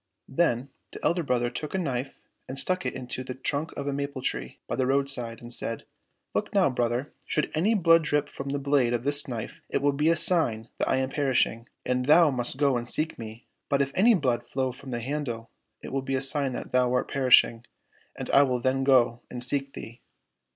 Then the elder brother took a knife and stuck it into the trunk of a maple tree by the roadside, and said, " Look now, brother, should any blood drip from the blade of this knife it will be a sign that I am perishing, and thou must go and seek me ; but if any blood flow from the handle, it will be a sign that thou art perishing, and I will then go and seek thee."